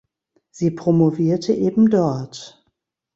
Sie promovierte ebendort.